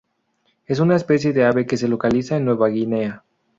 Es una especie de ave que se localiza en Nueva Guinea.